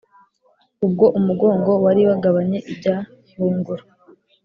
ubwo mugongo, wari wagabanye ibya bungura